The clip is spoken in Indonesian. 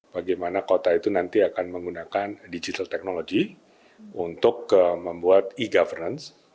bagaimana kota itu nanti akan menggunakan digital technology untuk membuat e governance